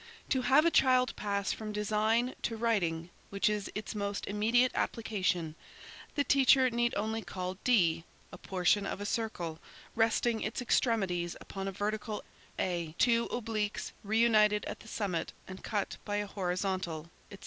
"To have a child pass from design, to writing, which is its most immediate application, the teacher need only call D, a portion of a circle, resting its extremities upon a vertical; A, two obliques reunited at the summit and cut by a horizontal, etc.